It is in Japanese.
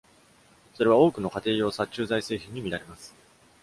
それは多くの家庭用殺虫剤製品に見られます。